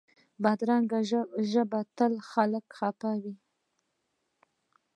بدرنګه ژبه تل خلک خفه کوي